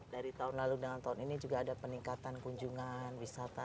dari tahun lalu dengan tahun ini juga ada peningkatan kunjungan wisata